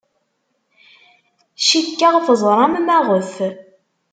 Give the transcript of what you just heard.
Cikkeɣ teẓramt maɣef.